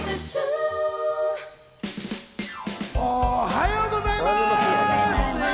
おはようございます。